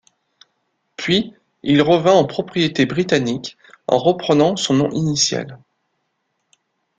Puis il revint en propriété britannique en reprenant son nom initial.